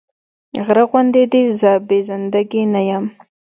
غره غوندې دې زه بې زنده ګي نه يم